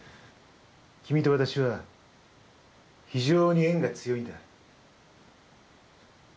君と私は非常に縁が強いんだ。